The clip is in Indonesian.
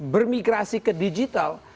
bermigrasi ke digital